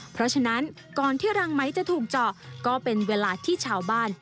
เพราะฉะนั้นก่อนที่รังไหมจะถูกเจาะก็เป็นเวลาที่ชาวบ้าน